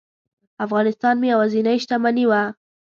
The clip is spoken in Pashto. افغانستان مې یوازینۍ شتمني وه.